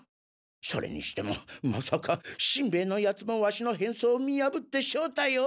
それにしてもまさかしんべヱのヤツもワシの変装を見やぶって正体を。